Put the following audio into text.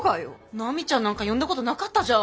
「奈美ちゃん」なんか呼んだことなかったじゃん。